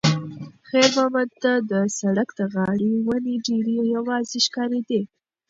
خیر محمد ته د سړک د غاړې ونې ډېرې یوازې ښکارېدې.